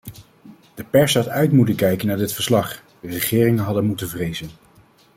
De pers had uit moeten kijken naar dit verslag, regeringen hadden het moeten vrezen.